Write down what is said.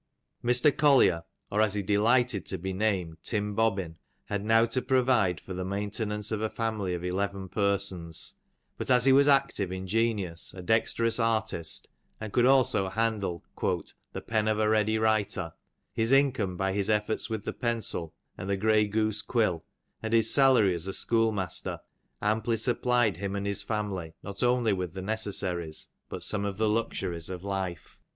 Mr. Collier, or as he delighted to he named Tim Bobbin, had now to provide for the maintenance of a family of eleven persons, but as he was active, ingenious, a dexterous artist, and could also handle "the pen of a ready writer," his income by his efforts with the pencil, and the grey goose quill, and his salai'y as school master, amply supplied him and his family not only with the necessaries, but some of the luxuries of life.